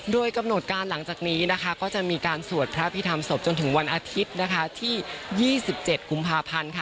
โดยกำหนดการหลังจากนี้นะคะก็จะมีการสวดพระพิธรรมศพจนถึงวันอาทิตย์นะคะที่๒๗กุมภาพันธ์ค่ะ